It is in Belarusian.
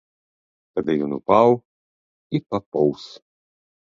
Тады ён упаў і папоўз.